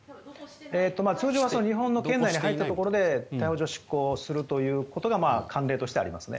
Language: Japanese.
通常は日本の領空に入ったところで逮捕状を執行するということが慣例としてありますね。